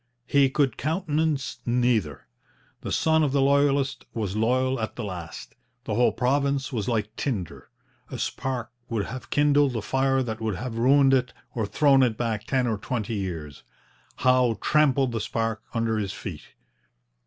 He could countenance neither. The son of the Loyalist was loyal at the last. The whole province was like tinder. A spark would have kindled a fire that would have ruined it, or thrown it back ten or twenty years. Howe trampled the spark under his feet.